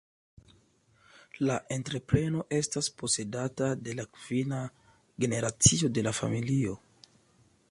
La entrepreno estas posedata de la kvina generacio de la familio.